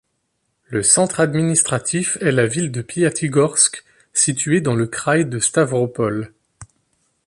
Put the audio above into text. Le centre administratif est la ville de Piatigorsk située dans le kraï de Stavropol.